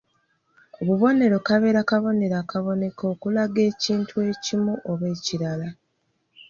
Obubonero kabeera kabonero akaboneka okukulaga ekintu ekimu oba ekirala.